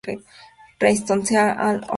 Roystonea oleracea var.